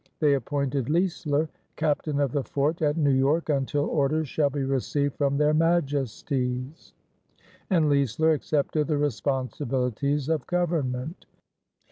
They appointed Leisler "Captain of the fort at New York until orders shall be received from their Majesties," and Leisler accepted the responsibilities of government.